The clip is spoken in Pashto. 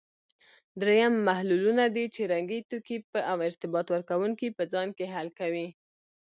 دریم محللونه دي چې رنګي توکي او ارتباط ورکوونکي په ځان کې حل کوي.